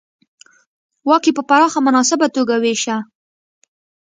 واک یې په پراخه او مناسبه توګه وېشه.